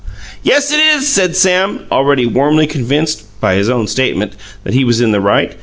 "Yes, it is," said Sam, already warmly convinced (by his own statement) that he was in the right.